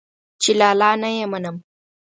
چې لالا نه يې منم.